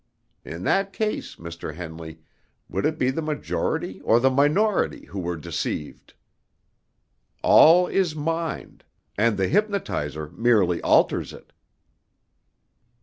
In that case, Mr. Henley, would it be the majority or the minority who were deceived? All is mind, and the hypnotizer merely alters it."